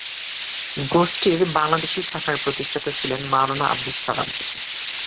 গোষ্ঠীর বাংলাদেশি শাখার প্রতিষ্ঠাতা ছিলেন মাওলানা আবদুস সালাম।